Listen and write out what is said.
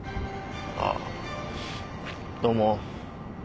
ああどうも。